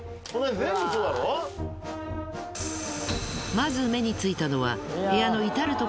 まず目についたのはすると。